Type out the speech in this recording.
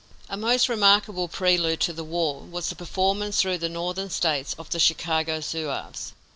A most remarkable prelude to the war was the performance through the Northern States of the Chicago Zouaves.